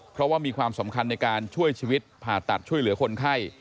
เพราะว่ามีความสำคัญในการช่วยชีวิตผ่าตัดช่วยเหลือคนไข้